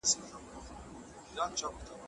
زده کړه د افکارو د تبادلې لامل ګرځي.